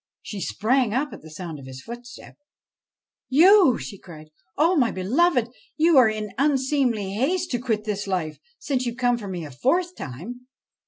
She sprang up at the sound of his footstep. ' You !' she cried. ' Ah ! my beloved, you are in unseemly haste to quit this life, since you come for me a fourth time.'